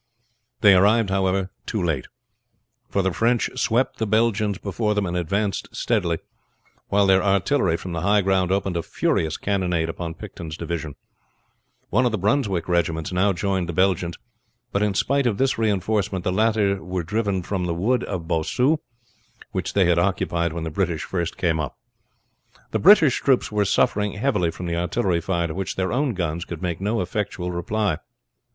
They arrived, however, too late; for the French swept the Belgians before them and advanced steadily, while their artillery from the high ground opened a furious cannonade upon Picton's division. One of the Brunswick regiments now joined the Belgians, but in spite of this reinforcement the latter were driven from the wood of Bossu, which they had occupied when the British first came up. The British troops were suffering heavily from the artillery fire to which their own guns could make no effectual reply.